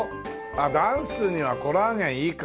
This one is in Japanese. ああダンスにはコラーゲンいいか。